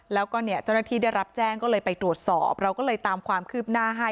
แล้วก็เนี่ยเจ้าหน้าที่ได้รับแจ้งก็เลยไปตรวจสอบเราก็เลยตามความคืบหน้าให้